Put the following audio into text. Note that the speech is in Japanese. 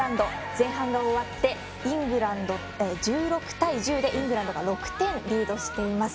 前半が終わって、１６対１０でイングランドが６点リードしています。